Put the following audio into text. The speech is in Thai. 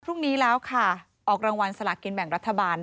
พรุ่งนี้แล้วค่ะออกรางวัลสลากินแบ่งรัฐบาล